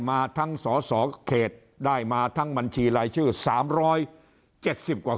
มาทั้งสเขตได้มาทั้งบัญชีลายชื่อสามร้อยเจ็ดสิบกว่า